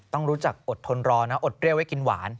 ต้องรู้จักอดทนรอนะอดเรี่ยวไว้กินหวาน